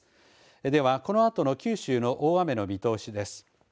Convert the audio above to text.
では、このあとの九州の大雨の見通しです。